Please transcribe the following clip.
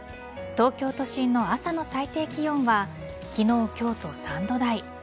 東京都心の朝の最低気温は昨日、今日と３度台。